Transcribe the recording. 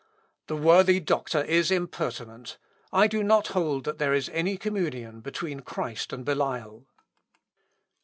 "The worthy doctor is impertinent. I do not hold that there is any communion between Christ and Belial."